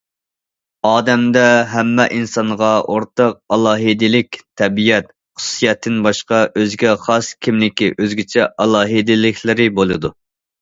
ئادەمدە ھەممە ئىنسانغا ئورتاق ئالاھىدىلىك، تەبىئەت، خۇسۇسىيەتتىن باشقا، ئۆزىگە خاس كىملىكى، ئۆزگىچە ئالاھىدىلىكلىرى بولىدۇ.